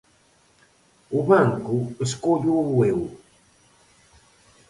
O banco escólloo eu.